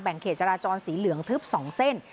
เขตจราจรสีเหลืองทึบ๒เส้น